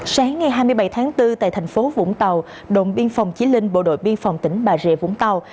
sáng ngày hai mươi bảy tháng bốn tại thành phố vũng tàu đội biên phòng chí linh bộ đội biên phòng tỉnh bà rịa vũng tàu